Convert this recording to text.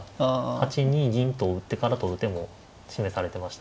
８二銀と打ってから取る手も示されてました。